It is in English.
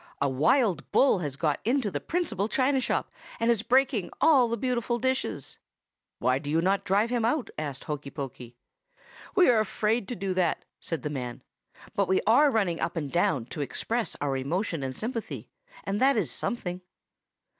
'A wild bull has got into the principal china shop, and is breaking all the beautiful dishes.' "'Why do you not drive him out?' asked Hokey Pokey. "'We are afraid to do that,' said the man; 'but we are running up and down to express our emotion and sympathy, and that is something.